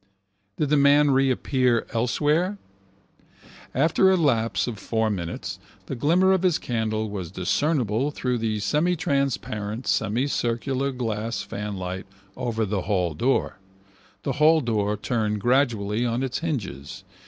Did the man reappear elsewhere? After a lapse of four minutes the glimmer of his candle was discernible through the semitransparent semicircular glass fanlight over the halldoor. The halldoor turned gradually on its hinges.